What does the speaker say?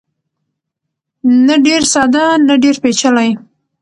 نه ډېر ساده نه ډېر پېچلی.